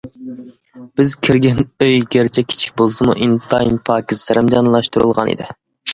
بىز كىرگەن ئۆي گەرچە كىچىك بولسىمۇ، ئىنتايىن پاكىز سەرەمجانلاشتۇرۇلغانىدى.